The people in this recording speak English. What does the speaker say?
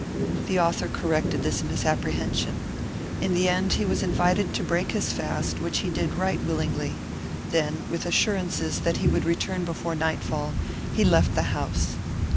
The author corrected this misapprehension. In the end he was invited to break his fast, which he did right willingly. Then, with assurances that he would return before nightfall, he left the house.